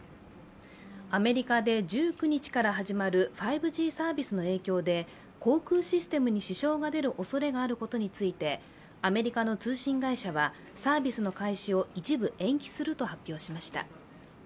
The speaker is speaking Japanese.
アメリカで１９日から始まる５Ｇサービスの影響で航空システムに支障が出るおそれがあることについて、アメリカの通信会社はサービスの開始を一部延期すると発表しました。